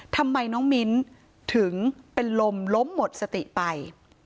ทำไมน้องมิ้นถึงเป็นลมล้มหมดสติไป